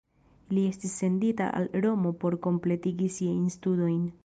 Li estis sendita al Romo por kompletigi siajn studojn.